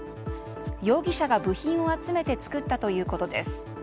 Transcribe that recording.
容疑者が部品を集めて作ったということです。